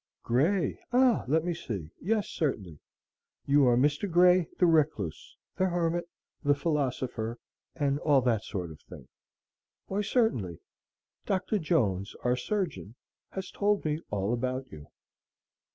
"Grey? ah, let me see. Yes, certainly. You are Mr. Grey the recluse, the hermit, the philosopher, and all that sort of thing. Why, certainly; Dr. Jones, our surgeon, has told me all about you.